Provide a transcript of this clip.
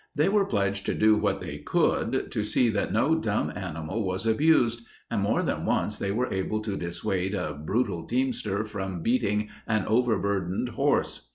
They were pledged to do what they could to see that no dumb animal was abused, and more than once they were able to dissuade a brutal teamster from beating an overburdened horse.